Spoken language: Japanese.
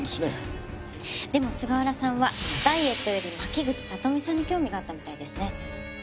でも菅原さんはダイエットより牧口里美さんに興味があったみたいですね。